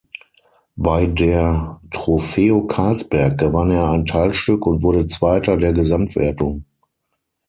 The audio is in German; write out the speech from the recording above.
Bei der Trofeo Karlsberg gewann er ein Teilstück und wurde Zweiter der Gesamtwertung.